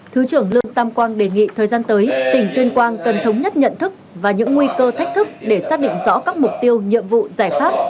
thứ trưởng lương tam quang đề nghị thời gian tới tỉnh tuyên quang cần thống nhất nhận thức và những nguy cơ thách thức để xác định rõ các mục tiêu nhiệm vụ giải pháp